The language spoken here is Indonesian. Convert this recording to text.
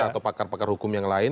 atau pakar pakar hukum yang lain